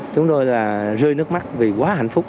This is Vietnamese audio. chúng tôi là rơi nước mắt vì quá hạnh phúc